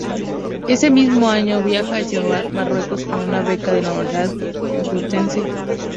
Ese mismo año viaja a Chauen, Marruecos con una Beca de la Universidad Complutense.